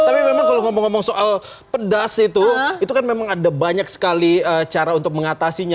tapi memang kalau ngomong ngomong soal pedas itu itu kan memang ada banyak sekali cara untuk mengatasinya